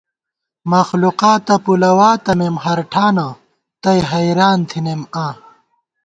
مخلُوقاتہ پُلَوا تَمېم ہر ٹھانہ تئ حیریان تھنَئیم آں